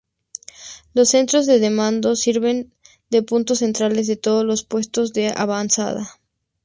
Los centros de mando sirven de puntos centrales de todos los puestos de avanzada.